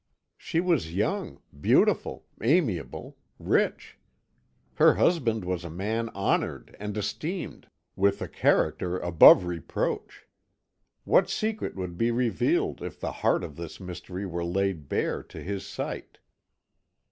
She was young, beautiful, amiable, rich; her husband was a man honoured and esteemed, with a character above reproach. What secret would be revealed if the heart of this mystery were laid bare to his sight?